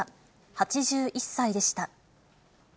８１歳でした。